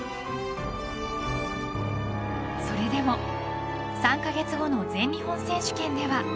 それでも３カ月後の全日本選手権では。